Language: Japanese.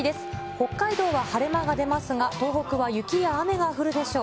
北海道は晴れ間が出ますが、東北は雪や雨が降るでしょう。